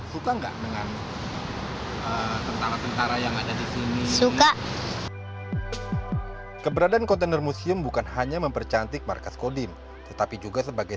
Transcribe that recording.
suka suka keberadaan kontainer museum bukan hanya mempercantik markas kodim tetapi juga sebagai